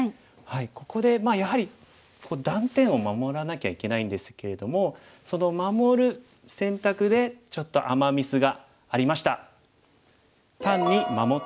ここでやはり断点を守らなきゃいけないんですけれどもその守る選択でちょっとアマ・ミスがありました。